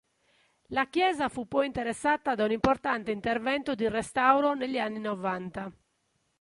La chiesa fu poi interessata da un importante intervento di restauro negli anni novanta.